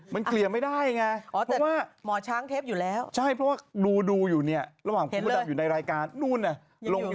เพราะฉะนั้นคนที่ดูคุณมดดำอยู่ตลอดเวนนี้